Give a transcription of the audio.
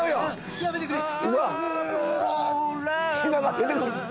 「やめてくれ！う！」